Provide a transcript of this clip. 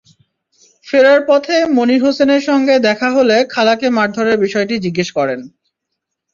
ফেরার পথে মনির হোসেনের সঙ্গে দেখা হলে খালাকে মারধরের বিষয়টি জিজ্ঞেস করেন।